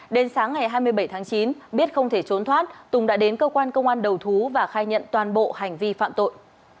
đến sáng ngày hai mươi bảy tháng chín biết không thể trốn thoát tùng đã đến cơ quan công an đầu thú và khai nhận toàn bộ hành vi phạm tội